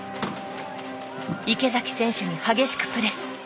池崎選手に激しくプレス。